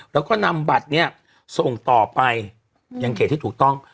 แล้วก็นำบัตรเนี่ยส่งต่อไปยังเขตที่ถูกต้อง